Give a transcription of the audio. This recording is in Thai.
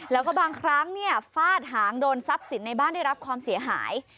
แล้วก็บางครั้งฟาดหางโดนทรัพย์สินในบ้านได้รับความเสียหาย